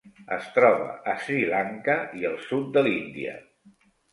Es troba a Sri Lanka i el sud de l'Índia.